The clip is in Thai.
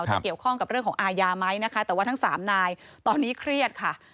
จะเกี่ยวข้องกับเรื่องของอาญาไหมนะคะแต่ว่าทั้งสามนายตอนนี้เครียดค่ะ